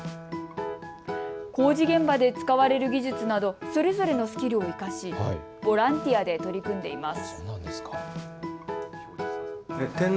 工事現場で使われる技術などそれぞれのスキルを生かしボランティアで取り組んでいます。